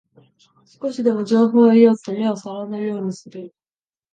少しでも情報を得ようと目を皿のようにする